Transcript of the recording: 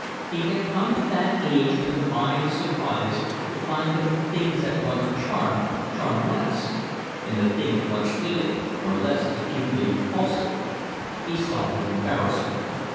He had come to that age when the mind is surprised to find that the things that once charmed charm less, and the things once hated are less acutely repulsive. He saw her embarrassment.